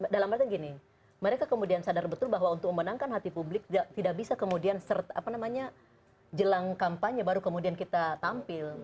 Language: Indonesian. dalam arti gini mereka kemudian sadar betul bahwa untuk memenangkan hati publik tidak bisa kemudian jelang kampanye baru kemudian kita tampil